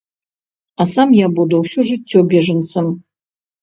А сам я буду ўсё жыццё бежанцам.